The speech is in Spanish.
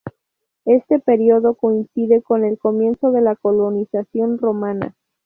Este periodo coincide con el comienzo de la colonización romana.